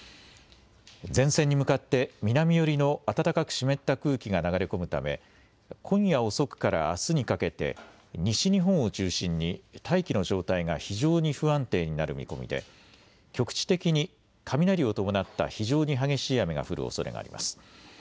前線に向かって南寄りの暖かく湿った空気が流れ込むため今夜遅くからあすにかけて西日本を中心に大気の状態が非常に不安定になる見込みで局地的に雷を伴った非常に激しい雨が降るおそれがあります。